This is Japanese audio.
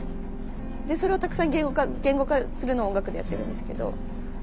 それをたくさん言語化するのを音楽でやってるんですけど。